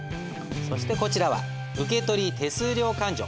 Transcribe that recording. そしてこちらは受取手数料勘定。